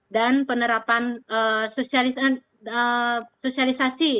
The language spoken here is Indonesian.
dan penerapan sosialisasi